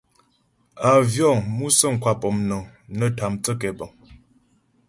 Àvyɔ̌ŋ (musə̀ŋ) kwa pɔ̌mnəŋ nə́ tâ mthə́ kɛbəŋ.